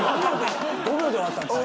５秒で終わったんですか？